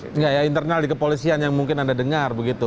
enggak ya internal di kepolisian yang mungkin anda dengar begitu